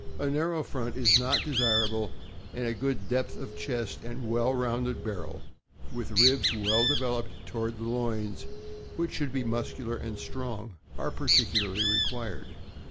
A narrow front is not desirable, and a good depth of chest and well rounded barrel, with ribs well developed toward the loins, which should be muscular and strong, are partic ularly required.